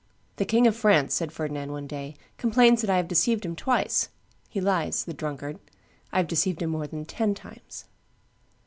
"The King of France," said Ferdinand one day, "complains that I have deceived him twice; he lies, the drunkard; I have deceived him more than ten times."